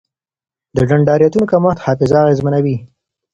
د ډنډرایټونو کمښت حافظه اغېزمنوي.